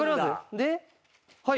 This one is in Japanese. ではい。